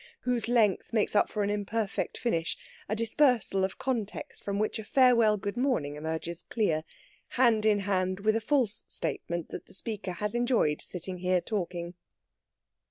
whose length makes up for an imperfect finish a dispersal of context from which a farewell good morning emerges clear, hand in hand with a false statement that the speaker has enjoyed sitting there talking.